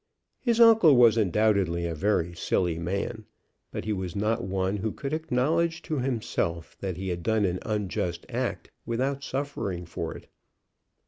His uncle was undoubtedly a very silly man; but he was not one who could acknowledge to himself that he had done an unjust act without suffering for it.